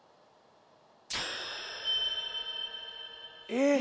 えっ！